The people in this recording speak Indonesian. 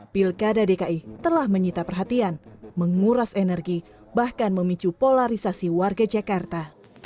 pilkada dki telah menyita perhatian menguras energi bahkan memicu polarisasi warga jakarta